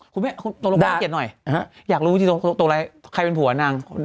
คุณแม่ตัวลงความเกลียดหน่อยอยากรู้วิธีตัวอะไรใครเป็นผัวนาง